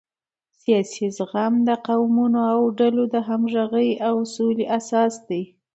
سیاسي زغم د قومونو او ډلو د همغږۍ او سولې اساس دی